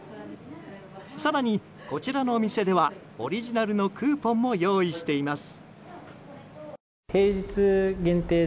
更に、こちらのお店ではオリジナルのクーポンも用意しています。